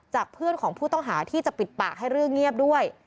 เพื่อนของผู้ต้องหาที่จะปิดปากให้เรื่องเงียบด้วย